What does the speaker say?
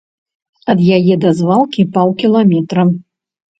Ад яе да звалкі паўкіламетра.